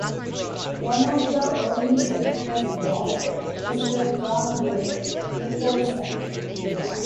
One of the early settlers was Mr. John A. Nicholson.